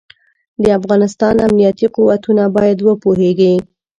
د افغانستان امنيتي قوتونه بايد وپوهېږي.